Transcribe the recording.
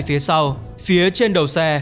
phía sau phía trên đầu xe